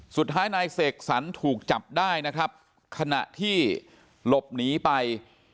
สุดท้ายนายเสกสรรถูกจับได้นะครับขณะที่หลบหนีไป